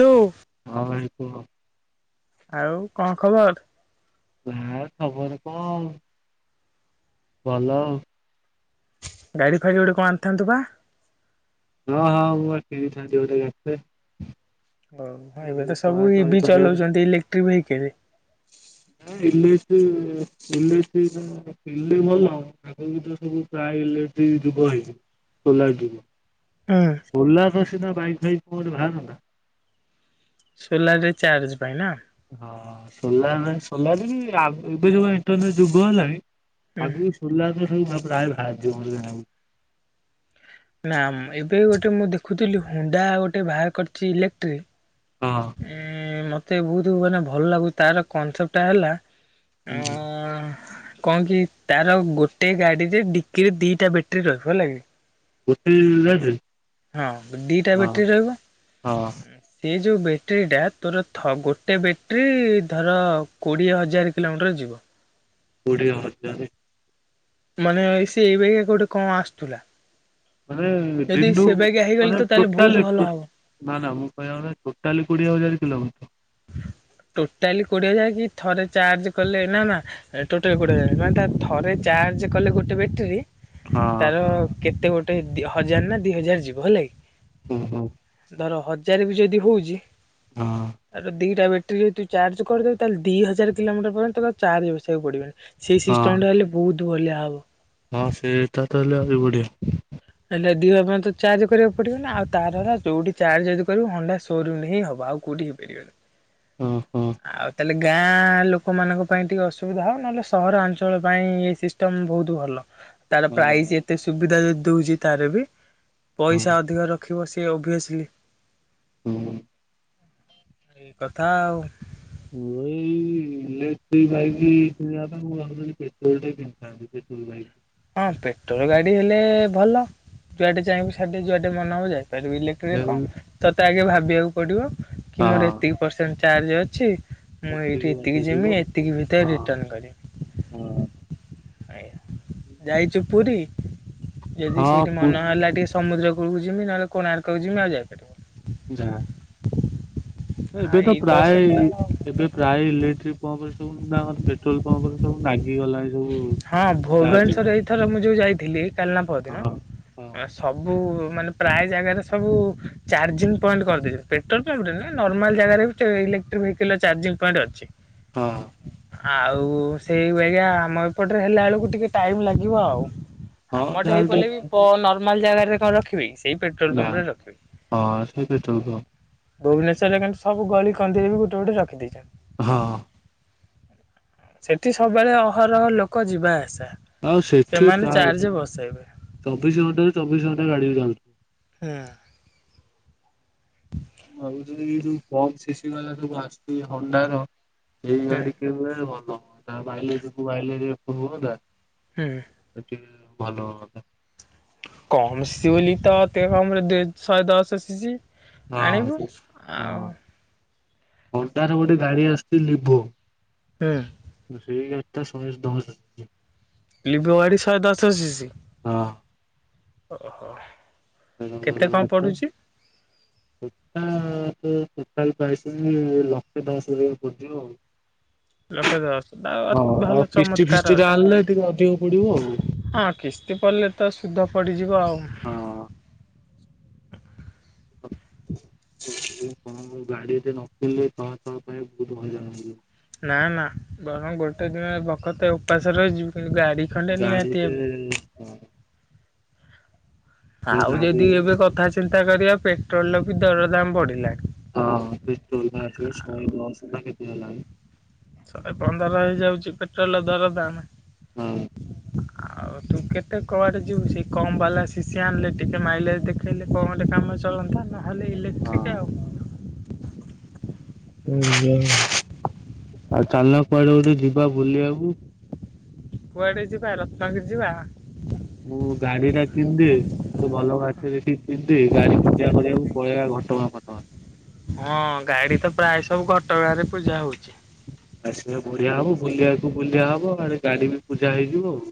ତୁ ହଁ ଭାଇ କୁହ। ଆଉ ଆଉ କଣ ଖବର୍? ହା ଖବର କଣ ଭଲ ଆଉ। ଗାଡି ଫାଡି ଗୋଟେ କଣ ଆଣିଥାନ୍ତୁ ବା? ହଁ ହଁ ମୁଁ ଆ କିଣିଥାନ୍ତି ଗୋଟେ ଏଫେ। ହଉ ଏବେ ତ ସବୁ ଇ ଚଳାଚଳି ଭି କରିବାକୁ ଚଲଉଛନ୍ତି ଇଲେକ୍ଟ୍ରିକ ଭେକିଲ୍। ହଁ ଇଲେଟ୍ରି ଇଲେଟ୍ରିର କିଣିଲେ ଭଲ ଆଗକୁ ତ ସବୁ ପ୍ରାୟ ଇଲେଟ୍ରି ଯୁଗ ହେଇଯିବ। ସୋଲାର୍ ଯୁଗ। ହୁଁ। ସୋଲାର୍ ର ସିନା ବାଇକ୍ ଫାଇକ୍ କଣ ଗୋଟେ ଭାରନ୍ତା। ସୋଲାରରେ ଚାର୍ଜ ପାଇଁ ନା? ହଁ ସୋଲାର୍ରେ ସୋଲାରରେ ବି ଏବେ ଯୋଉ ଇଣ୍ଟରନେଟ ଯୁଗ ହେଲାଣି ହୁଁ। ଆଗକୁ ସୋଲାର୍ ର ସବୁ ପ୍ରାୟ ଭାହାରି ଯିବ ବୋଲି ଜଣାପଡୁଚି। ନା ଏବେ ଗୋଟେ ମୁଁ ଦେଖୁଥିଲି ହୁଣ୍ଡା ଗୋଟେ ବାହାର କରିଚି ଇଲେକ୍ଟ୍ରି ହଁ ଉଁ ମତେ ବହୁତୁ ମାନେ ଭଲ ଲାଗୁଚି, ତାର କନସେପ୍ଟ ଟା ହେଲା ଆଁ ହୁଁ ଆଁ କଣ କି ତାର ଗୋଟେ ଗାଡ଼ିରେ ଡିକିରେ ଦିଟା ବେଟେରୀ ରହିବ ହେଲାକି? ଗୋଟେ ଗାଡ଼ିରେ? ହଁ ଦିଟା ହଁ ବେଟେରୀ ରହିବ। ହଁ ସେ ଯୋଉ ବେଟେରୀଟା ତୋର ଗୋଟେ ବେଟେରୀ ଧର କୋଡ଼ିଏ ହଜାର କିଲୋମିଟର ଯିବ। କୋଡ଼ିଏ ହଜାରେ? ମାନେ ସେ ଏଇ ବାଗିଆ ଗୋଟେ କଣ ଆସୁଥିଲା। ମାନେ ଯଦି ଦିନୁ ସେ ବାଗିଆ ହେଇଗଲେ ମାନେ ତ ତାହେଲେ ବହୁତ ଟୋଟାଲି ଭଲ ଟୋ ହବ। ନା ନା ମୁଁ କହିବା କଥା ଟୋଟାଲି କୋଡିଏ ହଜାର କିଲୋମିଟର? ଟୋଟାଲି କୋଡିଏ ହଜାର କି ଥରେ ଚାର୍ଜ କଲେ ନା ନା ଟୋଟାଲ କୋଡ଼ିଏ ହଜାରେ, ମାନେ ତା ଥରେ ଚାର୍ଜ କଲେ ଗୋଟେ ବେଟେରୀ ହଁ ତାର କେତେ ଗୋଟେ ହଜାର ନା ଦି ହଜାର ଯିବ ହେଲା କି। ହୁଁ ହୁଁ। ଧର ହଜାର ବି ଯଦି ହଉଚି ହଁ। ତାରେ ଦିଟା ବେଟେରୀ ଯଦି ତୁ ଚାର୍ଜ କରିଦବୁ, ତାହେଲେ ଦି ହଜାର କିଲୋମିଟର ପର୍ଯ୍ୟନ୍ତ ତତେ ଆଉ ଚାର୍ଜ ବସେଇବାକୁ ପଡିବନି। ସେଇ ସିଷ୍ଟମଟା ହେଲେ ବହୁତ୍ ବଲିଆ ହବ। ହଁ ସେଟା ତ ହଲେ ଆହୁରି ବଢିଆ। ହେଲେ ଦି ହଜାର ପର୍ଯ୍ୟନ୍ତ ଚାର୍ଜ କରିବାକୁ ପଡିବନି, ଆଉ ତାର ହେଲା ଯୋଉଠି ଚାର୍ଜ ଯଦି କରିବୁ ହୋଣ୍ଡା ସୋରୁମ୍ ରେ ହିଁ ହବ ଆଉ କୋଉଠି ହେଇପାରିବନି। ଉଁ ହୁଁ। ଆଉ ତାହେଲେ ଗାଁ ଲୋକମାନଙ୍କ ପାଇଁ ଟିକେ ଅସୁବିଧା ହବ ନହେଲେ ସହରାଞ୍ଚଳ ପାଇଁ ଏଇ ସିସ୍ ଟମ୍ ବହୁତୁ ଭଲ। ତାର ହଁ ପ୍ରାଇସ୍ ଏତେ ସୁବିଧା ଯଦି ଦଉଚି ତାର ବି ହୁଁ। ପଇସା ଅଧିକ ର ରଖିବ ସିଏ ଓଭିଅସଲି। ହୁଁ। ଠିକ୍ କଥା ଆଉ। ମୁଁ ଏଇ ଇଲେକ୍ଟ୍ରିକ ବାଇକ୍ କିଣବା ପାଇଁ ମୁଁ ଭାବୁଥେଲି ପେଟ୍ରୋଲ ଟା କିଣିିଥାନ୍ତି ପେଟୋଲ ବାଇକ୍। ହଁ ପେଟ୍ରୋଲ ଗାଡି ହେଲେ ଭଲ ଯୁଆଡେ ଚାହିଁବୁେ ଯୁଆଡେ ମନ ହବ ଯାଇପାରିବୁ, ଇଲେ ତିରେ ଙ୍କ ହେଇ ହଁ। ତୋତେ ଆଗେ ଭାବିବାକୁ ପଡିବ କି ମୋର ଏତିକି ପରସେଣ୍ଟ ଚାର୍ଜ ଅଛି। ମୁଁ ଏଇଠି ବାଟ ଏତିକି ଯିବ। ଯିମି ଏତିକି ଭିତରେ ରିଟର୍ଣ କରିବି। ହଁ ହଁ ଯାଇଚୁ ପୁରୀ ଯଦି ହଁ ସେଇଠି ପୁ ମନ ହେଲା ଟିକେ ସମୁଦ୍ରକୁ ଯମି ନହେଲେ କୋଣାର୍କକୁ ଯମି ଆଉ ଯାଇପାରିବ- ଯା ଆ ଏବେ ତ ଏଇ ପ୍ରାୟ ଅସୁବିଧା ଆଉ। ଏବେ ପ୍ରାୟ ଇଲେକ୍ଟ୍ରିକ ପମ୍ପ ରେ ସବୁ ଆମର ପେଟ୍ରୋଲ ପମ୍ପରେ ସବୁ ଲାଗିଗଲାଣି ସବୁ ହଁ ଚାର୍ଜ ଭୁବେନଶ୍ଵର ଏଇଥର ମୁଁ ଯୋଉ ଯାଇଥିଲି କାଲିନା ପର ଦିନ ହଁ ସବୁ ମାନେ ପ୍ରାୟ ଜାଗାରେ ସବୁ ଚାର୍ଜିଂ ପଏଣ୍ଟ କରିଦେଇଛନ୍ତି ପେଟ୍ରୋଲ ପମ୍ପ ରେ ନର୍ମାଲ୍ ଜାଗାରେ ବି ସେ ଇଲେକ୍ଟ୍ରିକ ଭେଇକିଲ୍ ଚଜିଂ ପଏଣ୍ଟ ଅଛି। ହଁ ଆଉ ସେଇ ବେଳିଆ ଆମ ଏପଟରେ ହେଲା ବେଳକୁ ଟିକେ ଟାଇମ ଲାଗିବ ଆଉ। ହଁ ଆମଟେ ହେଇ ଯାହାହେଲେ ପିଲେବି ଟିକେ ପ ନର୍ମାଲ ଜାଗାରେ କଣ ରଖିବି ସେଇ ପେଟ୍ରୋଲ ନା ପମ୍ପ ରେ ରଖିବି ହଁ ସେ ପେଟ୍ରୋଲ ପମ୍ପ ଭୁବନେଶ୍ୱରରେ କିନ୍ତୁ ସବୁ ଗଳି କନ୍ଦିରେ ବି ଗୋଟେ ଗୋଟେ ରଖିଦେଇଛନ୍ତି। ହଁ ସେଠି ସବୁବେଳେ ଅହରହ ଲୋକ ଯିବା ଆସା। ଆଉ ସେଠି ସେମାନେ ପ୍ରାୟ ଚାର୍ଜ ବସେଇବେ। ଚବିଶି ଘଣ୍ଟାାରୁ ଚବିଶି ଘଣ୍ଟା ଗାଡିକୁ ଯାଉ ହଁ ଆଉ ଯ ଏଇଯୋଉ କମ୍ ଶିଶି ଗଲା ସବୁ ଆସ ହଣ୍ଡାର ସେଇ ହୁଁ ଗାଡି ଭଲ ହୁଏ ତା ବାାଇଲ ଯୋଗୁ ବାାଇ ଯ ହୁଅନ୍ତା [inaudible] ହୁଁ ସେଠି ଭଲ ହୁଅନ୍ତା କମ୍ ସି ଓଲିତ ତହମର ଦୁଇ ସହେଦଶ ସିଶି ଆଣିବୁ ହଁ ଆଉ ଅଣ୍ଟାର ଗୋଟେ ଗାଡି ଆସିଛି ଲିଭୋ ହୁଁ ସେଇ ଗଡିତ ସହେ ଦଶଜ ଲିଭୋ ଗାଡ଼ି ଶହେ ଦଶ ଶିଶି ହଁ ଓହୋ କ କେତେ ଭଲ କଣ ଗାଡ଼ି ଟା ପଡୁଛି? ସେଟା ତ ସେଟା ପାଇସ ଲକ୍ଷେ ଦଶହକୁ ପଡିଯିବ ଆଉ ଲକ୍ଷେ ଦଶ୍ ଆଉ ହଁ ଆଉ ଭଲ କିସ୍ତି ଚମତ୍କାର ଫିସ୍ତି ଟା ଅଛି। ଆଣିଲେ ଟିକେ ଅଧିକ ପଡିବ ଆଉ। ହଁ କିସ୍ତି ପଡ଼ିଲେ ତ ସୁଧ ପଡିଯିବ ଆଉ ହଁ [unintelligible] ନା ନା ବରଂ ଗୋଟେ ଦିନ ବକତେ ଉପାସ ରହିଯିବି କିନ୍ତୁ ଗାଡି ଖଣ୍ଡେ ନିହାତି ଗାଡ଼ିରେ ହେବି। ହଁ ଆଉ ଗାଡି ଯେଦି ଏବେ କଥା ଚିନ୍ତା କରିବା ପେଟ୍ରୋଲର ବି ଦର ଦାମ ବଢିଲା ହଁ ଚଲ ଆସି ସହେ ଦସ କେତେ ହେଲାନି ଶହେ ପନ୍ଦର ହେଇଯାଉଚି ପେଟ୍ରୋଲ ର ଦର ଦାମ ହଁ [inaudible] ଆଉ ତୁ କେତେ କଆଡ଼େ ଯିବୁ ସେ କମ୍ ବାଲା ଶିଶି ଆଣିଲେ ଟିକେ ମାଇଲେଜ ଦେଖେଇଲେ କମ୍‌ରେ କାମ ଚଲନ୍ତା ତାହେଲେ ଇଲେଟ୍ରିକ୍ ଆଉ ଏ ଯାଏଁ ଆଉ ଚାଲୁନୁ କୁଆଡେ ଗୋଟେ ଯିବା ବୁଲିଆକୁ କୁଆଡେ ଯିବା ରତ୍ନାଗିରି ଯିବାକ ମୁଁ ଗାଡି ଟା କିଣ ଦିଏ [unintelligible] ମୁଁ ଭଲ ଗାଡିଟେ କିଣିଦିଏ ଗାଡି ପୂଜା କରିବାକୁ ପଳେଇବା ଘଟଗାଁ ଫଟଗାଁ [unintelligible] ହଁ ଗାଡି ତ ପ୍ରାୟ ସବୁ ଘଟଗାଁ ରେ ପୂଜା ହଉଛି ଆସିବେ [unintelligible] ବଢିଆ ହବ ବୁଲିବାକୁ ବୁଲିବା ହବ ଆ ଗାଡି ବି ପୂଜା ହେଇଯିବ ଆଉ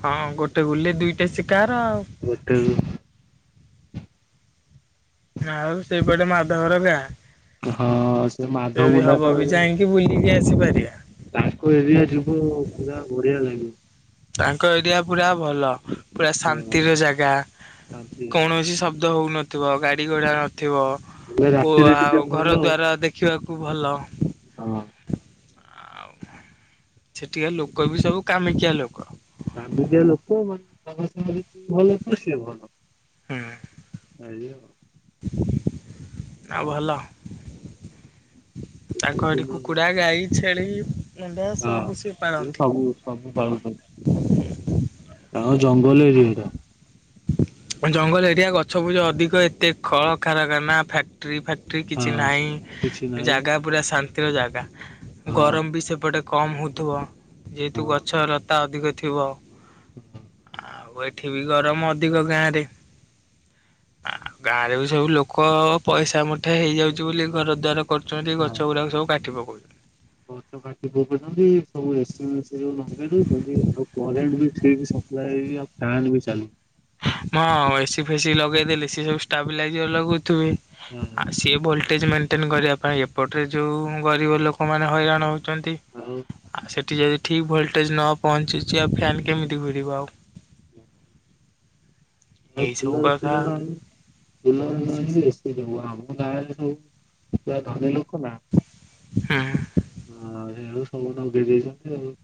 ହଁ ଗୋଟେ ଗୁଲିରେ ଦୁଇଟା ଶିକାର ଆଉ ବଟେ [inaudible] ଆଉ ସେଇପଟେ ମାଧବର ହଁ ସେ ଗାଁ ମାଧ ଯଦି ମୁଣ୍ଡା ତ ହବ ବି ଯାଇକି ବୁଲିକି କି ଆସିପାରିିବା ତାଙ୍କ ଏରିଆ ଯିବୁ ପୁରା ବଢିଆ ଲାଗିବ ତାଙ୍କ ଏରିଆ ପୁରା ଭଲ ପୁରା ହଁ ଶାନ୍ତିର ଜାଗା ଶାନ୍ତି ଜାଗା। କୌଣସି ଶବ୍ଦ ହଉନଥିବ ଗାଡି ଗାଡି ଗୁଡା ହଁ ନଥିବ ହେଲେ କ ରାତିରେ ଟିକେ ଆଉ ଭୟ ଘର ଦ୍ୱାର ଦେଖିବାକୁ ଭଲ ଅହୋ [inaudible] ସେଠିକାର ଲୋକ ବି ସବୁ କାମିକିଆ ଲୋକ କାମିକିଆଲୋକ ମାନେ ଭଲ ତ ସେ ଭଲ [unintelligible] ହଁ ଆଜ୍ଞା ଆଉ ଭଲ ତାଙ୍କ ହଁ ଏଠି କୁକୁଡା ଗାଈ ଛେଳି ମେଣ୍ଢା ହଁ ସବୁ ସିଏ ପାଳନ୍ତି ସବୁ ପାଳୁଛନ୍ତି ଆଉ ଜଙ୍ଗଲ ଏରିଆ ଟା ଜଙ୍ଗଲ ଏରିଆ ଗଛ ପୂଛ ଅଧିକ ଏତେ ଖଳ କାରଖାନା ଫ୍ୟା ଟ୍ରି ଫାକ୍ଟ୍ରି କିଛି ହଁ। କିଛି ନାହିଁ ନାହିଁ ଜାଗା ପୁରା ଶାନ୍ତିର ଜାଗା ହଁ ଗରମ ବି ସେପଟେ କମ୍ ହଉଥିବ ଯେହେତୁ ହଁ ଗଛ ଲତା ଅଧିକ ଥିବ ହୁଁଁ ଆଉ ଏଠି ବି ଗରମ ଅଧିକ ଗାଁରେ ଆ ଗାଁରେ ବି ସବୁ ଲୋକ ପଇସା ମୁଠେ ହେଇଯାଉଛି ବୋଲି ଘର ଦ୍ଵାର କରୁଛନ୍ତି ଗଛ ଗୁଡାକ ସବୁ କାଟି ପକଉଛନ୍ତି ବହୁତ ଯ ପଟ ସବୁ ଏସି ବେସି ଯ ଲଗେଇ ଦଉଛନ୍ତି ସେ ଆଉ କରେଣ୍ଟ ବି ଠିକ୍ ସେ ସପ୍ଲାଏ [unintelligible] ଫ୍ୟାନ୍ ବି ଚାଲୁନି ହ ଏସିି ଫେସି ଲଗେଇଦେଲେ ସିଏ ସବୁ ଷ୍ଟାବିଲାଇଜର ଲଗଉଥିବେ ଆଉ ସିଏ ଭୋଲଟେଜ ମେନ୍‌ଟେନ୍ କରିବା ପାଇଁ ଏପଟରେ ଯୋଉ ଗରିବ ଲୋକମାନେ ହଇରାଣ ହଉଛନ୍ତି ଆଉ ଆଉ ସେଠି ଯଦି ଠିକ୍ ଭୋଲଟେଜ ନ ପହଞ୍ଚିଛି ଆଉ ଫ୍ୟାନ୍ କେମିତି ଘୁରିବ ଆଉ ଏଇ ସବୁ ଅଧିକ ଏସି କଥା ନଉନାହାନ୍ତି ବୁଲ ବେଶୀ ଯ ଆମ ଗାଁରେ ସବୁ ଯା ଧନୀ ଲୋକ ନା [unintelligible] ହଁ ହଁ ସେଇ ଯୋଗୁଁ ସମସ୍ତ ଙ୍କୁ ଦେଇ ଦେଇଛନ୍ତି ଆଉ।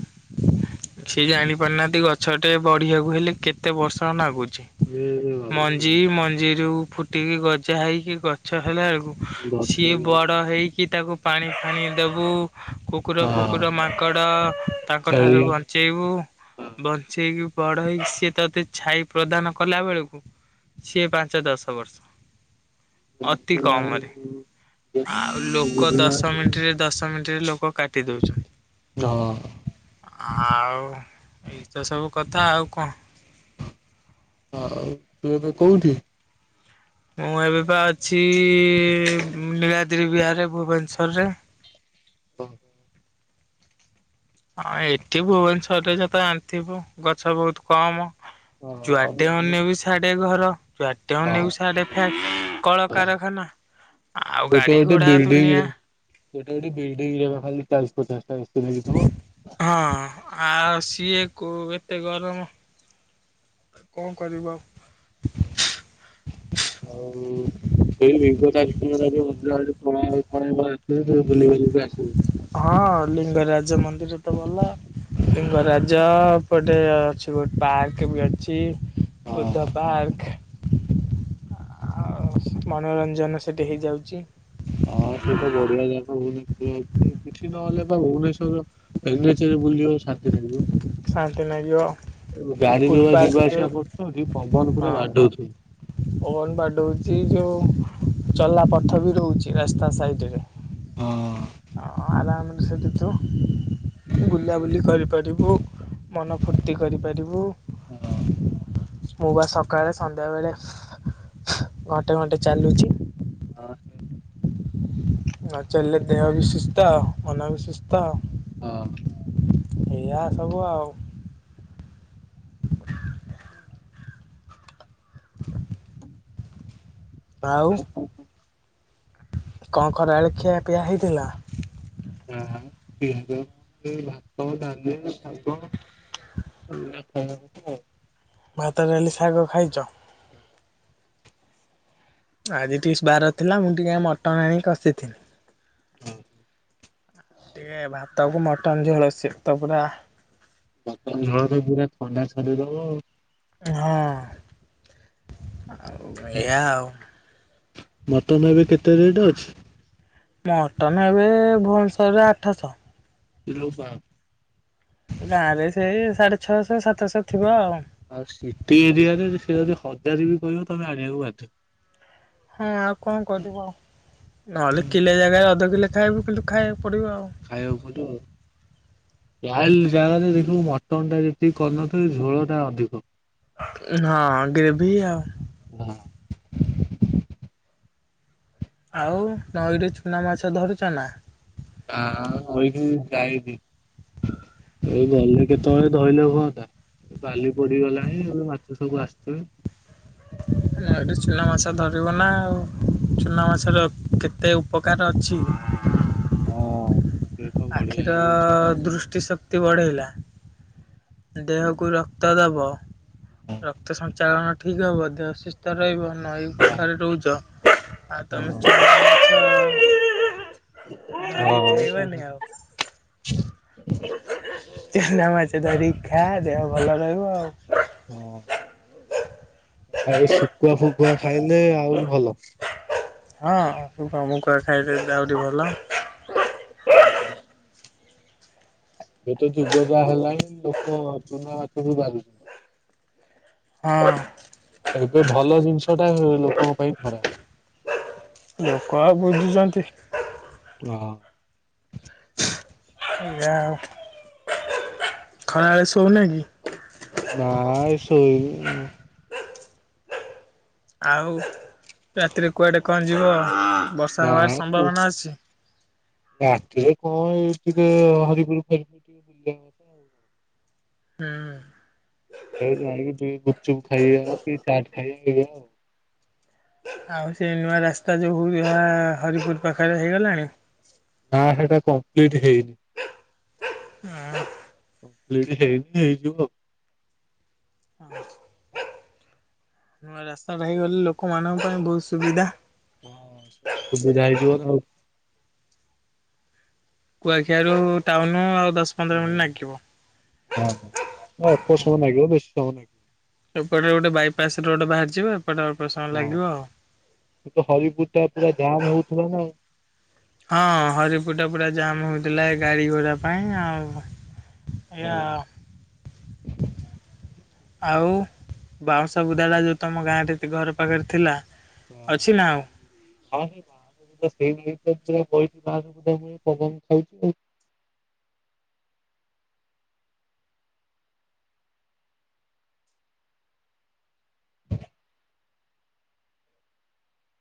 ସିଏ ଜାଣିପାରୁନାହାନ୍ତି ଗଛ ଟେ ବଢିବାକୁ ହେଲେ କେତେ ବର୍ଷ ନାଗୁଚି। ଏ ବାବା ମଞ୍ଜି ମଞ୍ଜିରୁ ଫୁ ଟିକି ଗଜା ହେଇକି ଗଛ ହେଲା ବେଳକୁ ଗଛ ସିଏ ବଡ଼ ହେଇକି ତାକୁ। ପାଣି ଫାଣି ଦେବୁ କୁକୁର, ହଁ ଫୁକୁର, ମାଙ୍କଡ଼ ତାଙ୍କଠାରୁ ଛେଳି ବ ଚେଇବୁ ବଞ୍ଚେଇକି ବଡ ହେଇକି ସିଏ ତତେ ଛାଇ ପ୍ରଦାନ କଲା ବେଳକୁ। ସିଏ ପାଞ୍ଚ, ଦଶ ବର୍ଷ। ଅତି କମରେ ଆଉ ଲୋକ ଦଶ ବୁଝୁନାହାନ୍ତି ମିଣ୍ଟିରେ ଦଶ ମିଣ୍ଟିରେ ଲୋକ କାଟି ଦଉଛନ୍ତି। ହଁ। ଆଉ ଏଇତ ସବୁ କଥା। ଆଉ କଣ? ଆଉ ତୁ ଏବେ କଉଠି? ମୁଁ ଏବେ ପା ଅଛି ଉଁ ନୀଳାଦ୍ରି ବିହାରରେ ଭୁବନେଶ୍ୱରରେ। ଓହୋ। ଆଁ ଏଠି ଭୁବନେଶ୍ଵରରେ ଯେତ ଜାଣିଥିବୁ ଗଛ ବହୁତ କମ। ହଁ ଯୁଆଡେ ହଁ ଅନେଇବୁ ସିଆଡେ ଘର। ଯୁଆଡେ ଅନେଇବୁ ସିଆଡେ ଫ୍ଲାଟ, କଳକାରଖାନା। ଆଉ ଗୋଟେ ଗାଡି ଗୋଟେ ଘୋଡା ବିଲ୍ଡିଂରେ ଦୁନିଆ। ଗୋଟେ ଗୋଟେ ବିଲ୍ଡିଙ୍ଗରେ ପା ଖାଲି ଚାଳିଶ, ପଚଶା ଟା [unintelligible] ହଁ ଆଉ ସିଏ କୋ ଏତେ ଗରମ। କଣ କରିବୁ ଆଉ? ଆଉ ଇ ସେଇ [unintelligible] ବୁଲି ବୁଲିକି ଆସିବୁ। ହଁ। ଲିଙ୍ଗରାଜ ମନ୍ଦିର ତ ଭଲ। ଲିଙ୍ଗରାଜ ଏପଟେ ଅଛି ଗୋ ପାର୍କ ବି ଅଛି। ବୁଦ୍ଧ ପାର୍କ। ଆଉ ମନୋରଞ୍ଜନ ସେଠି ହେଇଯାଉଛି। ହଁ ସେ ତ ବଢିଆ ଜାଗା [unintelligible] ଉଁ କିଛି ନହେଲେ ତ ଭୁବନେଶ୍ୱରର ଏନ ଏଚ ରେ ବୁଲିବ ଶାନ୍ତି ଲାଗିବ। ଶାନ୍ତି ଲାଗିବ ଏବେ ଗାଡି ଯୋଉ ଭଳିଆ ଫୁଟପାଥ ଯିବା ଯୋଉ ଆସିବା କରୁଛନ୍ତି। ପବନ ପୁରା ହଁ। ବାଡଉଥିବ। ପବନ ବାଡଉଛି। ଯୋଉ ଚଲା ପଥ ବି ରହୁଛି ରାସ୍ତା ସାଇଡରେ। ହଁ ହଁ ହଁ। ହଁ ଆରାମରେ ସେଠି ତୁ ବୁଲାବୁଲି କରିପାରିବୁ ମନ ଫୁର୍ତ୍ତି କରିପାରିବୁ। ହଁ। ମୁଁ ପା ସକାଳେ ସନ୍ଧ୍ୟା ବେଳେ ଘଣ୍ଟେ ଘଣ୍ଟେ ଚାଲୁଛି। ଅଁ ନ ଚାଲିଲେ ଦେହ ବି ସୁସ୍ଥ, ମନ ବି ସୁସ୍ଥ। ଏଇଆ ସବୁ ଆଉ। ଆଉ। ହଁ ହଁ। କଣ ଖରାବେଳେ ଖିଆପିଆ ହେଇଥିଲା? ହୁଁ ହୁଁ। [unintelligible] ହୁଁ। ଏଇ ଭାତ, ଡାଲି, ଶାଗ। [unintelligible] ଭାତ, ଡାଲି, ଶାଗ ଖାଇଚ? ଆଜି [unintelligible] ବାର ଥିଲା, ମୁଁ ଟିକେ ମଟନ୍ ଆଣିକି କସିଥିଲି। ଟିକେ ଭାତକୁ ମଟନ୍ ଝୋଳ ସେତ ପୁରା ଜର ତ ପୁରା ଥଣ୍ଡା ଛଡେଇ ଦବ ଆଉ। ହଁ ଆଉ ଏଇଆ ଆଉ ମଟନ୍ ଏବେ କେତେ ରେଟ୍ ଅଛି? ମଟନ ଏବେ ଭୁବନେଶ୍ୱରରେ ଆଠଶ। ଇ ଲୋ ବା ଗାଁ ରେ ସେଇ ସାଢେ ଛଅଶ ସାତଶ ଥିବ ଆଉ ଆଉ ସିଟି ଏରିଆରେ ସେ ଯଦି ହଜାର ବି କହିବ ତମେ ଆଣିବାକୁ ବାଧ୍ୟ। ହଁ ଆଉ କଣ କରିବ ଆଉ, ନହେଲେ କିଲେ ଜାଗାରେ ଅଧ କିଲେ ଖାଇବୁ କିନ୍ତୁ ଖାଇବାକୁ ପଡିବ ଆଉ। ଖାଇବାକୁ ପଡିବଆଉ। ଯାହେଲେ ଜାଘରେ ଦେଖିବୁ ମଟନ ଟା ଯେତିକି କରିନଥିବେ ଝୋଳ ଟା ଅଧିକ। ଏ ହଁ [unintelligible] [unintelligible] ଆଉ ନଈରେ ଚୁନା ମାଛ ଧରୁଚ ନା? [unintelligible] ଏଇ ଗଲେ କେତେବଳେଧଇଲେ ହୁଅନ୍ତା ବାଲି ପଡିଗଲାଣି ମାଛ ସବୁ ଆସିଥିବେ। [unintelligible] ଏଠି ଚୁନା ମାଛ ଧରିବ ନା ଆଉ ଚୁନା ମାଛର କେତେ ଉପକାର ଅଛି। ହଁ। ସେ ତ ବଢିଆ ଆଖିର ଜିନିଷ। ଦୃଷ୍ଟି ଶକ୍ତି ବଢେଇଲା। ଦେହକୁ ରକ୍ତ ଦବ ରକ୍ତ ସଞ୍ଚାଳନ ଠିକ ହବ ଦେହ ସୁସ୍ ସୁସ୍ତ ରହିବ ନଈ ପାଖାରେ ରୋହୁଚ। ଆଉ ହଁ ହଁ [unintelligible] ଚୁନା ମାଛ ଧରିକି ଖା ଦେହ ଭଲ ରହିବ ଆଉ। ହଁ [unintelligible] ଶୁଖୁଆ ଫୁକୁୁଆ ଖାଇଲେ ଆହୁରି ଭଲ। ହଁ ସୁଖୁଆ ଫୁକୁଆ ଖାଇଲେ ସେଟା ଆହୁରି ଭଲ। [inaudible] ଏତ ଯୁଗ ଯା ହେଲାଣି ଲୋକ ଚୁନା ମାଛ ବି ବାରୁ ହଁ। ଏବେ ଭଲ ଜିନିଷ ଟା ଲୋକଙ୍କ ପାଇଁ ଖରାପ। ଲୋକ ଆଉ ବୁଝୁଚନ୍ତି। [inaudible] [unintelligible] ଆଉ ଖରାବେଳେସୁଉନା କି? ନାଇ ଶୋଇନି। [inaudible] ଆଉ ରାତିରେ କୁଆଡ଼େ କଣ ଯିବ ବର୍ଷା ନା ହବାର ସମ୍ଭାବନା ଅଛି। ରାତିରେ କଣ ଏ ଟିକେ ହରିପୁର [unintelligible] [inaudible] ହୁଁ। ସେଇଠି ଯାଇଁକି ଟିକେଗୁପଚୁପ୍ ଖାଇବା କି ଚାଟ୍ ଖାଇବା ଏଇଆ ଆଉ। ଆଉ ସେ ନୂଆ ରାସ୍ତା ଯୋଉ [unintelligible] ହରିପୁର ପାଖରେ ହେଇଗଲାଣି। ନା ହେଟା କମ୍ପ୍ଲିଟ ହେଇନି। [inaudible] [inaudible] ହେଇନି ଯେ ହେଇଯିବ ଆଉ। [inaudible] ନୂଆ ରାସ୍ତାଟା ହେଇଗଲେ ଲୋକମାନଙ୍କ ପାଇଁ ବୋହୁତ ସୁବିଧା। ହଁ ସୁବିଧା ହେଇଥିବ ଆଉ। କୁଆଖିଆରୁ ଟାଉନ ଆଉ ଦସ ହଁ ହଁ ଅଳ୍ପ ସମୟ ଲାଗିବ ବେଶି ସମୟ ଲାଗିବନି। ଏପଟେ ଗୋଟେ ବାଇପାସ ରୋଡ ବାହାରିଯିବ ଏପଟେ ଅଳ୍ପ ସମୟ ହଁ ଲାଗିବ ଆଉ। ହରିପୁର ଟା ପୁରା ଜାମ୍ ହୋଉଥିଲାନା ଆଉ। ହଁ ହରିପୁର ଟା ପୁରା ଜାାମ ହୋଉଥିଲା, ଏ ଗାଡି ଘୋଡ଼ା ପାଇଁ ଆଉ। ଆଉ ଏଇଆ। ହଁ ଆଉ ବାଉଁଶ ବୁଦାଟା ଜୋଉ ତୁମ ଗାଁରେ ତମ ଘର ପାଖରେ ଥିଲା ହଁ। ଅଛି ନା ଆଉ? ଆଉ ହେଇ ବାହରକୁ ଯିବ ସେଇ ନାଗୀ ଶୋଇଚି ବାହାରେ ବୁଦା ମୂଳେ ପବନ ଖାଉଚି ଆଉ। [inaudible]